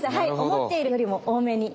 思っているよりも多めに。